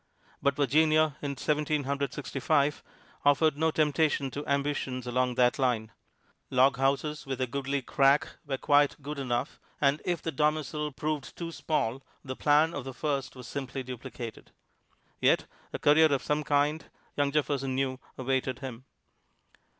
But Virginia, in Seventeen Hundred Sixty five, offered no temptation to ambitions along that line; log houses with a goodly "crack" were quite good enough, and if the domicile proved too small the plan of the first was simply duplicated. Yet a career of some kind young Jefferson knew awaited him.